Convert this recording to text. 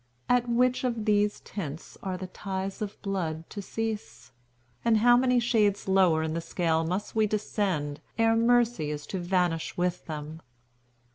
At which of these tints are the ties of blood to cease? and how many shades lower in the scale must we descend, ere mercy is to vanish with them?